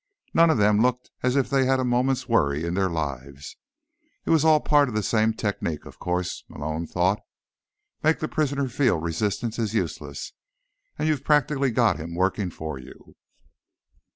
None of them looked as if they had a moment's worry in their lives. It was all part of the same technique, of course, Malone thought. Make the prisoner feel resistance is useless, and you've practically got him working for you.